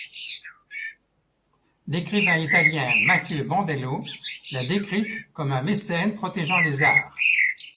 L'écrivain italien Mathieu Bandello l'a décrite comme un mécène protégeant les arts.